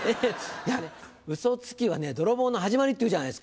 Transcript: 「ウソつきは泥棒の始まり」っていうじゃないですか。